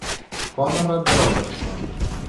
Conrad Robertson